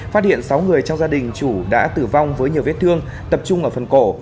phát hiện sáu người trong gia đình chủ đã tử vong với nhiều vết thương tập trung ở phần cổ